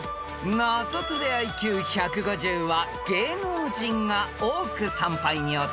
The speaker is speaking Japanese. ［ナゾトレＩＱ１５０は芸能人が多く参拝に訪れるこちらの神社］